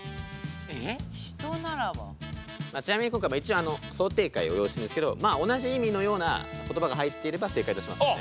ちなみに今回も一応想定解を用意してるんですけど同じ意味のような言葉が入っていれば正解としますんで。